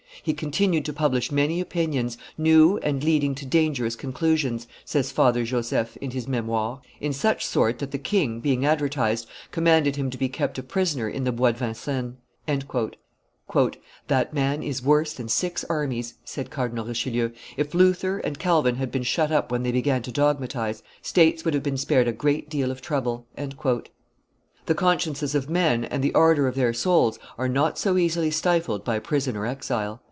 "He continued to publish many opinions, new and leading to dangerous conclusions," says Father Joseph in his Memoires," in such sort that the king, being advertised, commanded him to be kept a prisoner in the Bois de Vincennes." "That man is worse than six armies," said Cardinal Richelieu; "if Luther and, Calvin had been shut up when they began to dogmatize, states would have been spared a great deal of trouble." The consciences of men and the ardor of their souls are not so easily stifled by prison or exile.